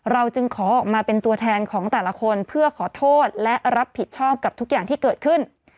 จึงขอออกมาเป็นตัวแทนของแต่ละคนเพื่อขอโทษและรับผิดชอบกับทุกอย่างที่เกิดขึ้น